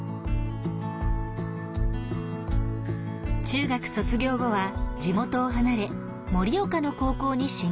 中学卒業後は地元を離れ盛岡の高校に進学。